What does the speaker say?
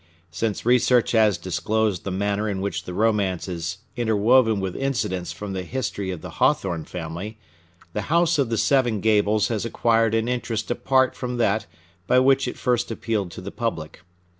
Since research has disclosed the manner in which the romance is interwoven with incidents from the history of the Hawthorne family, "The House of the Seven Gables" has acquired an interest apart from that by which it first appealed to the public.